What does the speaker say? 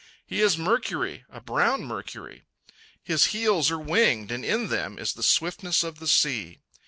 He is a Mercury—a brown Mercury. His heels are winged, and in them is the swiftness of the sea.